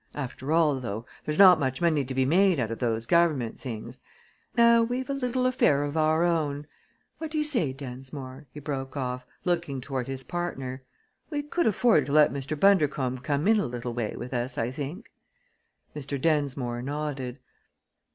After all, though, there's not much money to be made out of those government things. Now we've a little affair of our own what do you say, Densmore?" he broke off, looking toward his partner. "We could afford to let Mr. Bundercombe come in a little way with us, I think?" Mr. Densmore nodded.